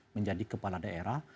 menjadi kepala daerah